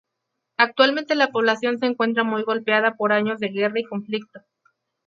Actualmente la población se encuentra muy golpeada por años de guerra y conflicto.